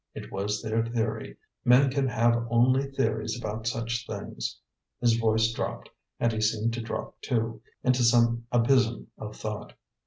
It was their theory; men can have only theories about such things." His voice dropped, and he seemed to drop too, into some abysm of thought.